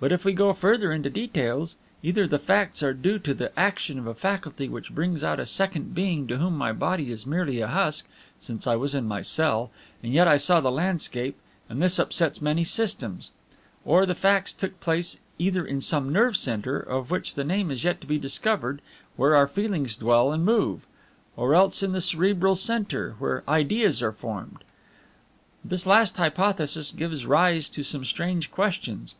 "But if we go further into details: either the facts are due to the action of a faculty which brings out a second being to whom my body is merely a husk, since I was in my cell, and yet I saw the landscape and this upsets many systems; or the facts took place either in some nerve centre, of which the name is yet to be discovered, where our feelings dwell and move; or else in the cerebral centre, where ideas are formed. This last hypothesis gives rise to some strange questions.